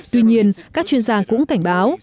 tuy nhiên các chuyên gia cũng cảnh báo